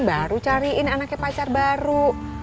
baru cariin anaknya pacar baru